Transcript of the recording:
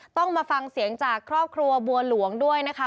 ต้องมาฟังเสียงจากครอบครัวบัวหลวงด้วยนะคะ